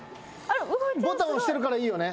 ボタン押してるからいいよね。